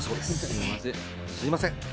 すみません。